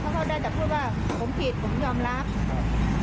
เขาก็ได้จะพูดว่าผมผิดผมยอมรับ